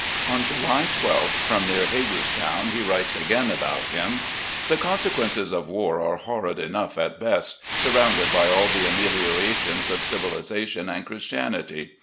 On July 12th, from near Hagerstown, he writes again about him: "The consequences of war are horrid enough at best, surroimded by all the ameliorations of civilisation and Christianity.